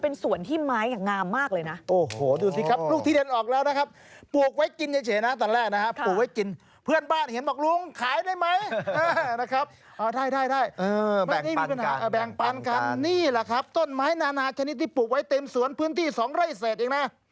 นี่แหละครับต้นไม้นานาชนิดที่ปลูกไว้เต็มสวนพื้นที่สองไร้เศษเองนะ